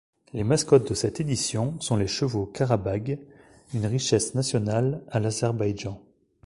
Les mascottes de cette édition sont les chevaux Karabagh, une richesse nationale à l’Azerbaïdjan.